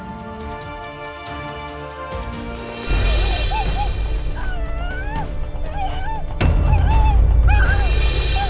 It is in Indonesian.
terima kasih eyang